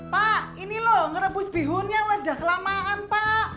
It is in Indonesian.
pak ini loh ngerebus bihunnya udah kelamaan pak